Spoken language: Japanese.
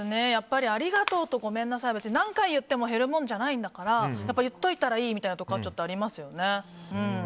ありがとうとごめんなさいは何回言っても減るもんじゃないんだから言っといたほうがいいみたいなところはちょっとありますよね。